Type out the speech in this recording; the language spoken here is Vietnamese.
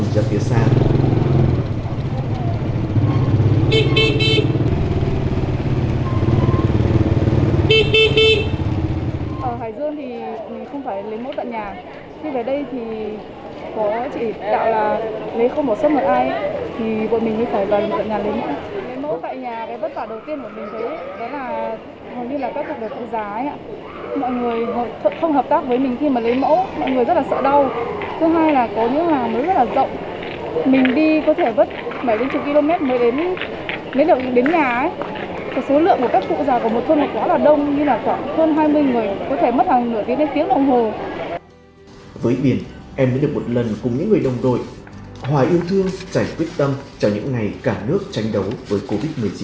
với biển em mới được một lần cùng những người đồng đội hòa yêu thương chảy quyết tâm cho những ngày cả nước tranh đấu với covid một mươi chín